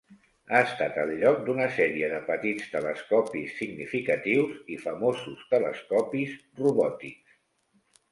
Ha estat el lloc d'una sèrie de petits telescopis significatius i famosos telescopis robòtics.